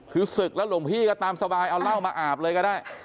คือศึกแล้วหลวงพี่ก็ตามสบายเอาเหล้ามาอาบเลยก็ได้